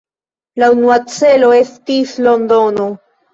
La unua celo estis Londono.